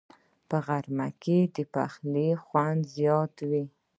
په غرمه کې د پخلي خوند زیات وي